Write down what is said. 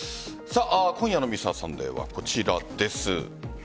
今夜の「Ｍｒ．サンデー」はこちらです。